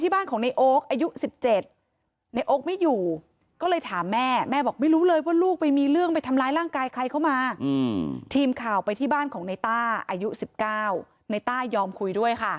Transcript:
ที่บ้านของนายต้าอายุ๑๙นายต้ายอมคุยด้วยค่ะ